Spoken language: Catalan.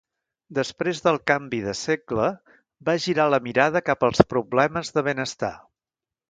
Després del canvi de segle, va girar la mirada cap als problemes de benestar.